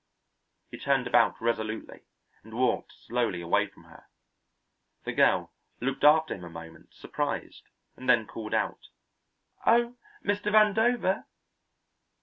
He turned about resolutely, and walked slowly away from her. The girl looked after him a moment, surprised, and then called out: "Oh, Mr. Vandover!"